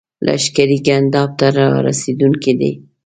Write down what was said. لښکرې ګنداب ته را رسېدونکي دي.